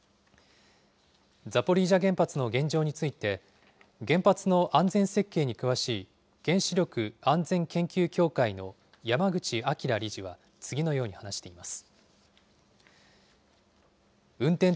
ザポリージャ原発の現状について、原発の安全設計に詳しい原子力安全研究協会の山口彰理事は次のように話しています。